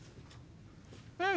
うん。